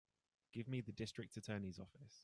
Give me the District Attorney's office.